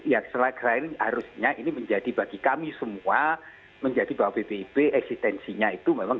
ya selain harusnya ini menjadi bagi kami semua menjadi bahwa bpip eksistensinya itu memang